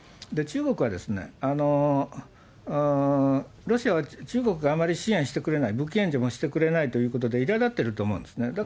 中国はロシアは、中国があまり支援してくれない、武器援助もしてくれないということで、いらだってると思うんですね。